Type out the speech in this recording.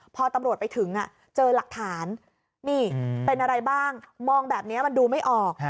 พอตำรวจไปถึงเจอหลักฐานนี่เป็นอะไรบ้างมองแบบนี้มันดูไม่ออก